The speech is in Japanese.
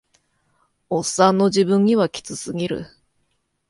オッサンの自分にはキツすぎる